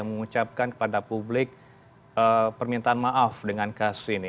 mengucapkan kepada publik permintaan maaf dengan kasus ini